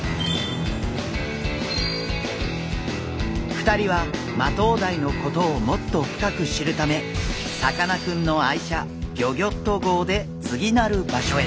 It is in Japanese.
２人はマトウダイのことをもっと深く知るためさかなクンの愛車ギョギョッと号で次なる場所へ。